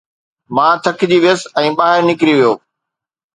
مان ٿڪجي ويس ۽ ٻاهر نڪري ويو